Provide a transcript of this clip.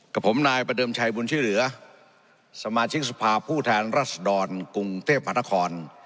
กับผมนายประเดิมชัยบุญช่วยเหลือสมาชิกสภาพผู้แทนรัศดรกรุงเทพหานคร